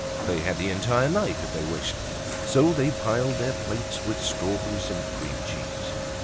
They had the entire night if they wished. So they piled their plates with strawberries and cream cheese.